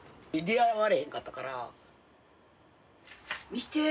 見て。